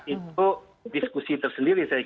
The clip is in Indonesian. itu diskusi tersendiri saya kira